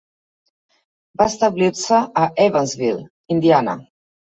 Va establir-se a Evansville, Indiana.